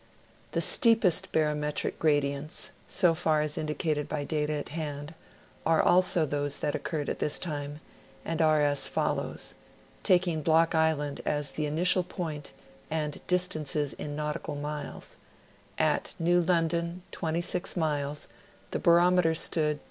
The steepest barometic gradients, so far as indicated by data at hand, are also those that occurred at this time, and are as follows, taking Block Island as the initial point and distances in nautical miles: at New London, 26 miles, the barometer stood 29.